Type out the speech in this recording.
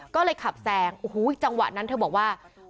ก็เลยขับแซงโอ้โหจังหวะนั้นเธอบอกว่า